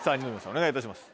お願いいたします。